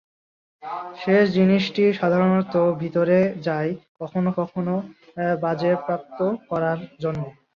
শেষ জিনিসটি সাধারণত ভিতরে যায়, কখনও কখনও বাজেয়াপ্ত করার জন্য।